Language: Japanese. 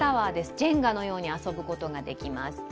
ジェンガのように遊ぶことができます。